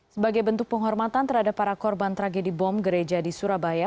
sebagai bentuk penghormatan terhadap para korban tragedi bom gereja di surabaya